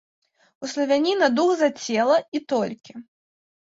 У славяніна дух за цела, і толькі.